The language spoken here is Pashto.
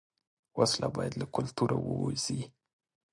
وسله باید له کلتوره ووځي